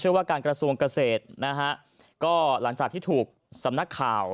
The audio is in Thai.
ว่าการกระทรวงเกษตรนะฮะก็หลังจากที่ถูกสำนักข่าว